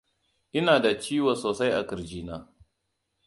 ina da ciwo sosai a kirji na